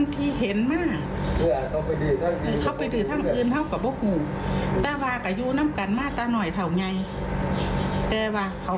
เธอบอกว่าเธอบอกว่าเธอบอกว่าเธอบอกว่าเธอบอกว่า